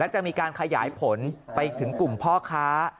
จะมีการขยายผลไปถึงกลุ่มพ่อค้า